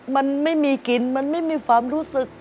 มันไม่มีกินมันไม่มีความรู้สึก